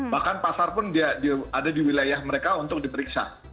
bahkan pasar pun ada di wilayah mereka untuk diperiksa